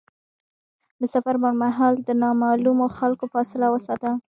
د سفر پر مهال له نامعلومو خلکو فاصله وساته.